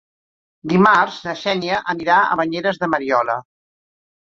Dimarts na Xènia anirà a Banyeres de Mariola.